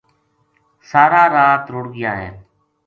سارا رات رُڑھ گیا ہے‘ ‘